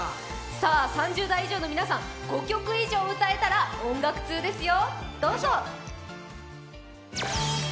３０代以上の皆さん５曲以上歌えたら、音楽通ですよ。